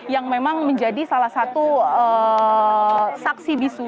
yang memang menjadi salah satu saksi bisu